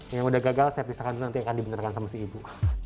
yang udah gagal saya pisahkan dulu nanti akan dibenarkan sama si ibu